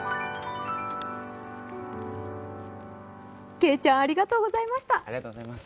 けいちゃん、ありがとうございました。